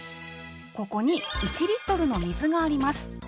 ここに１リットルの水があります。